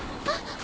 あっ！